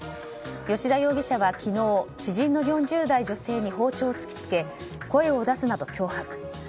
吉田容疑者は昨日知人の４０代女性に包丁を突き付け声を出すなと脅迫。